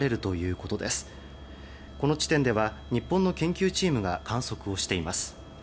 この地点では日本の研究チームが観測をしています。